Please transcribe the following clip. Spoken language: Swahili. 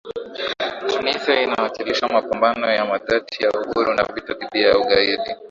Tunisia inawakilisha mapambano ya dhati ya uhuru na vita dhidi ya ugaidi